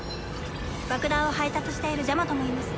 爆弾を配達しているジャマトもいます。